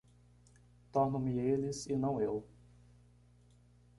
Torno-me eles e não eu.